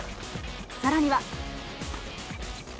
さらには。